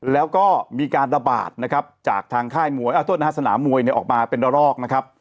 แล้วก็มีการระบาดนะครับจากทางสนามมวยเนี่ยออกมาเป็นรอกนะครับ